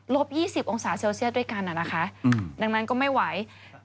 ๒๐องศาเซลเซียสด้วยกันนะคะดังนั้นก็ไม่ไหว